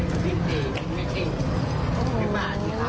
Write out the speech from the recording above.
โอ้โฮผู้หญิงนี้น่ะถือไม้น่ะ